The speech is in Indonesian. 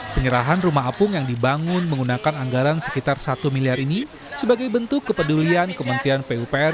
penyerahan rumah apung yang dibangun menggunakan anggaran sekitar satu miliar ini sebagai bentuk kepedulian kementerian pupr